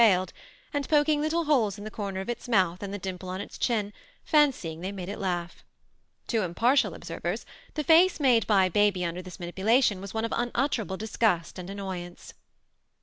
failed ; and poking Kttle holes in the corners <^ hs mouth and the dimple on its chin, fancying they ttuule it kugh. To impartial observers, the face made by baby nnder this manipulation was one (^ unutterable disgust and annoyance.